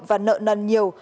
và nợ nần nhiều